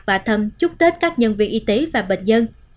và thăm chúc tết các nhân viên y tế và bệnh nhân